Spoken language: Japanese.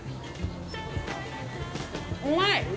うまい！